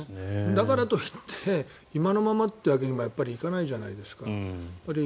だからと言って今のままっていうわけにもいかないじゃないですか。